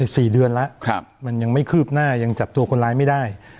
สี่เดือนแล้วครับมันยังไม่คืบหน้ายังจับตัวคนร้ายไม่ได้